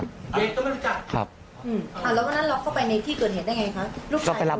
ก็ไปรับลูกชายครับ